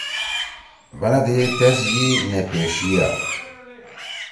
بنَدی تیس یی نے پیݜیا۔